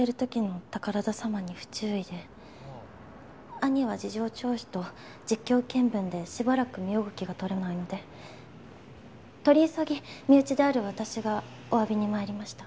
兄は事情聴取と実況見分でしばらく身動きが取れないので取り急ぎ身内である私がお詫びに参りました。